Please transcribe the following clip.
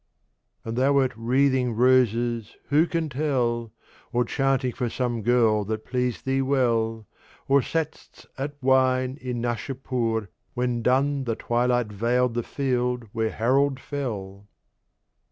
And thou wert wreathing Roses who can tell? Or chanting for some girl that pleased thee well, Or satst at wine in Nasha'pu'r, when dun The twilight veiled the field where Harold fell!